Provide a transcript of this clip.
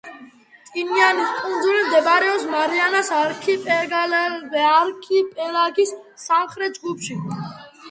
ტინიანის კუნძული მდებარეობს მარიანას არქიპელაგის სამხრეთ ჯგუფში.